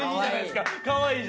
かわいい。